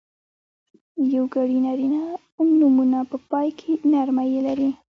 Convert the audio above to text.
یوګړي نرينه نومونه په پای کې نرمه ی لري.